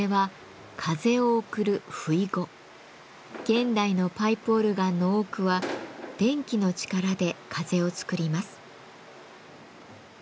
現代のパイプオルガンの多くは電気の力で風を作ります。